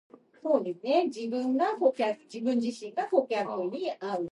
Also with a possessive suffix.